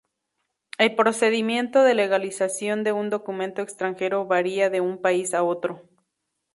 El procedimiento de legalización de un documento extranjero varía de un país a otro.